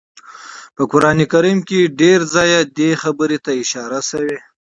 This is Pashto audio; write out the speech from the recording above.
په قران کريم کي ډير ځايه دې خبرې ته اشاره شوي